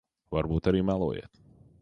Varbūt arī melojat.